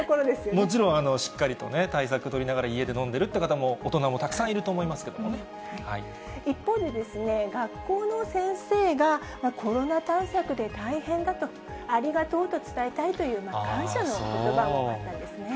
もちろん、しっかりと対策取りながら、家で飲んでるって方も、大人もた一方で、学校の先生がコロナ対策で大変だと、ありがとうと伝えたいという感謝のことばもあったんですね。